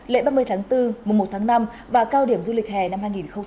lễ ba mươi tháng bốn mùa một tháng năm và cao điểm du lịch hè năm hai nghìn hai mươi bốn